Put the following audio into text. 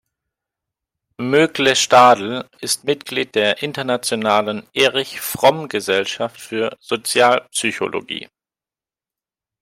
Mögle-Stadel ist Mitglied der Internationalen Erich-Fromm-Gesellschaft für Sozialpsychologie.